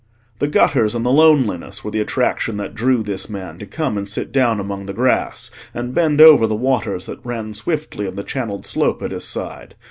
The gutters and the loneliness were the attraction that drew this man to come and sit down among the grass, and bend over the waters that ran swiftly in the channelled slope at his side.